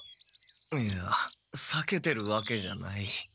いやさけてるわけじゃない。